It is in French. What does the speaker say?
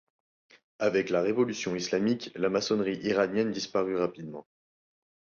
Avec la révolution islamique, la maçonnerie iranienne disparut rapidement.